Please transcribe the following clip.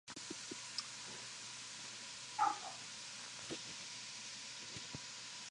The all-news format was discontinued two years later.